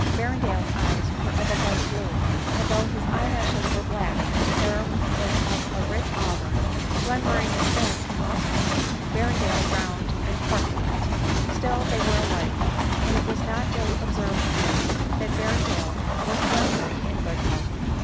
Berrendale's eyes were of a light blue ; and though his eye lashes were black, his hair was of a rich auburn : Glenmurray was thin and muscular ; Berrendale, round and corpulent : still they were alike ; and it was not ill observed of them, that Berrendale was Glenmurray in good health.